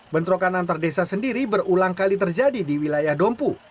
bentrokan antar desa sendiri berulang kali terjadi di wilayah dompu